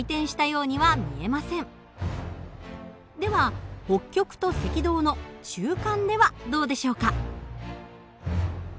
では北極と赤道の中間ではどうでしょうか？